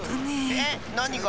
えっなにが？